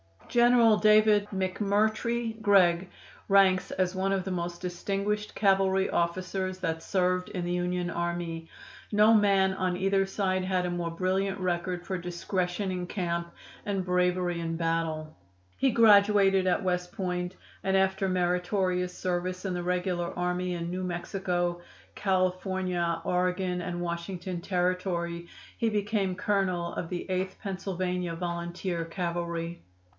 General David McMurtrie Gregg ranks as one of the most distinguished cavalry officers that served in the Union Army. No man on either side had a more brilliant record for discretion in camp and bravery in battle. He graduated at West Point, and after meritorious service in the regular army in New Mexico, California, Oregon and Washington Territory he became colonel of the Eighth Pennsylvania Volunteer Cavalry.